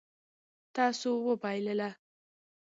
تاسو وبایلله